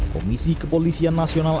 komisi kepolisian nasional